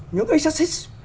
những cái exercise